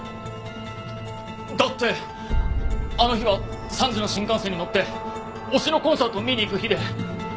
だってあの日は３時の新幹線に乗って推しのコンサートを見に行く日で。